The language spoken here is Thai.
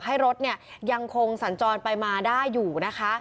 ให้รถเนี่ยยังคงสัญจรไปมาได้อยู่นะคะ